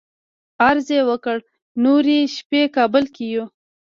عرض یې وکړ نورې شپې کابل کې یو.